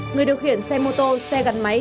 người điều khiển xe mô tô xe gắn máy